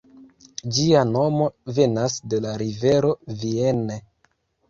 Ĝia nomo venas de la rivero Vienne.